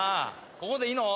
ここでいいの？